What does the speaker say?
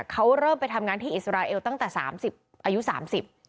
เขาเริ่มไปทำงานที่อิสราเอลตั้งแต่อายุ๓๐ปี